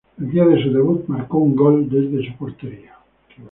El día de su debut, marcó un gol desde su portería.